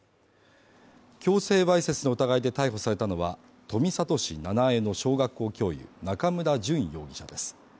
強制わいせつの疑いで逮捕されたのは、富里市七栄の小学校教諭中村淳容疑者です。